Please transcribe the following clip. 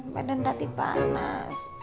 badan tadi panas